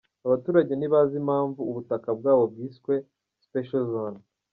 Abaturage ntibazi impamvu ubutaka bwabo bwiswe ‘Special Zone’.